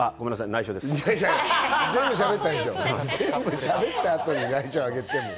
全部しゃべった後に「内緒」上げても。